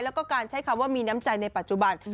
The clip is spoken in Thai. แล้วก็การใช้คำว่ามีน้ำใจในปัจจุบัน